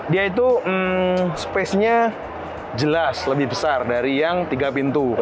dia itu space nya jelas lebih besar dari yang tiga pintu